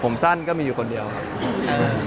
ผมสั้นก็มีอยู่คนเดียวครับ